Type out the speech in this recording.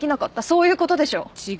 そういうことでしょ？